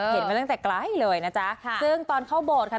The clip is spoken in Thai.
เห็นมาตั้งแต่ไกลเลยนะจ๊ะซึ่งตอนเข้าโบสถ์ค่ะ